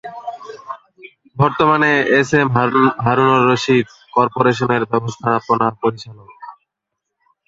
বর্তমানে এসএম হারুন-অর-রশিদ কর্পোরেশনের ব্যবস্থাপনা পরিচালক।